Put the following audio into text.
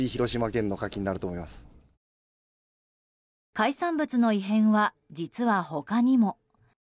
海産物の異変は、実は他にも。